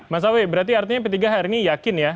mas awi berarti artinya p tiga hari ini yakin ya